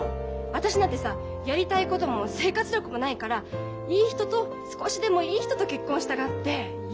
私なんてさやりたいことも生活力もないからいい人と少しでもいい人と結婚したがって揺れて迷って。